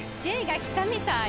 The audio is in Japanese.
Ｊが来たみたい。